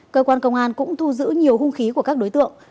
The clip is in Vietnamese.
cơ quan công an cũng thu giữ nhiều hung khí của các đối tượng